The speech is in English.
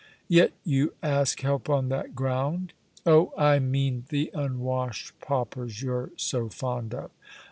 "Yet you ask help on that ground." "Oh, I mean the unwashed paupers you're so fond of."